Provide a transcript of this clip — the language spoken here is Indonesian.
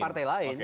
di partai lain